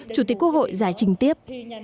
chủ tịch quốc hội giải trình tiếp